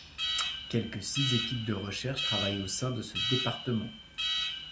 Quelque six équipes de recherche travaillent au sein de ce département.